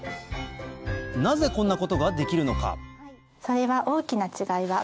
なぜこんなことができるのかそれは。